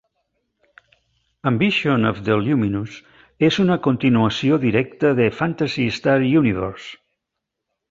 "Ambition of the Illuminus" és una continuació directa de "Phantasy Star Universe".